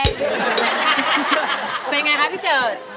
้าาาาาเป็นไงค่ะพี่เจิด